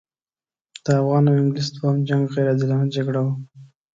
د افغان او انګلیس دوهم جنګ غیر عادلانه جګړه وه.